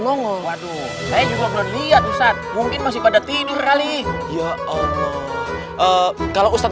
nongol waduh saya juga beli atus saat mungkin masih pada tidur kali ya allah kalau ustadz